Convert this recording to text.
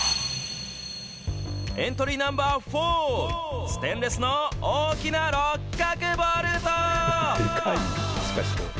エントリーナンバー４、ステンレスの大きな六角ボルト。